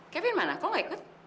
kevin mana kok ikut